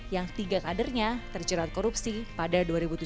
yang tiga kadernya terjerat korupsi pada dua ribu tujuh belas